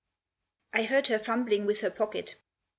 I HEARD her fumbling with her pocket.